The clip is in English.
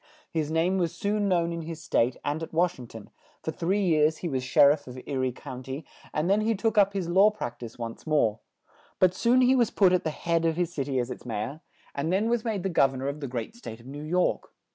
His name was soon known in his state and at Wash ing ton; for three years he was Sher iff of E rie Coun ty and then he took up his law prac tise once more; but soon he was put at the head of his cit y as its May or; and then was made the Gov ern or of the great state of New York.